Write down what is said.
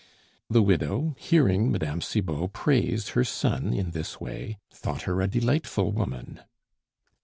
The widow, hearing Mme. Cibot praise her son in this way, thought her a delightful woman.